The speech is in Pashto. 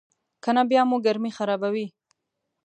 کنه بیا مو ګرمي خرابوي.